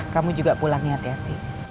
kamu juga pulang ya hati hati